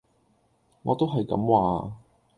我都係咁話